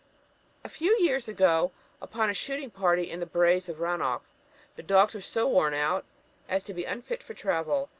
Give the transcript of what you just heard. "A few years ago, when upon a shooting party in the Braes of Ranoch, the dogs were so worn out as to be unfit for travel.